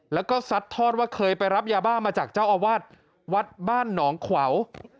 แล้วก็ซัดทอดว่าเคยไปรับยาบ้ามาจากเจ้าอาวาสวัดบ้านหนองขวาว